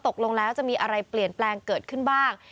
ตกลงแล้วจะมีอะไรเปลี่ยนแปลงเกิดขึ้นบ้าง